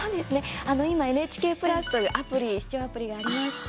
今、ＮＨＫプラスというアプリ視聴アプリがありまして。